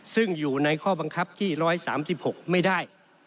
ซึ่งอยู่ในข้อบังคับที่๑๓๖ไม่ได้